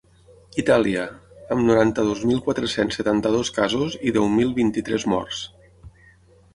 Itàlia, amb noranta-dos mil quatre-cents setanta-dos casos i deu mil vint-i-tres morts.